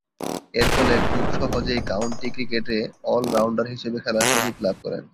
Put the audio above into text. এরফলে খুব সহজেই কাউন্টি ক্রিকেটে অল-রাউন্ডার হিসেবে খেলার সুযোগ লাভ করেন।